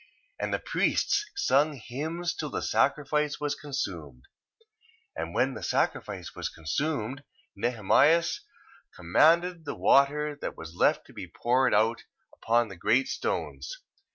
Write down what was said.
1:30. And the priests sung hymns till the sacrifice was consumed. 1:31 .And when the sacrifice was consumed, Nehemias commanded the water that was left to be poured out upon the great stones.